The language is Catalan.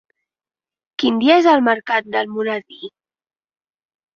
Quin dia és el mercat d'Almoradí?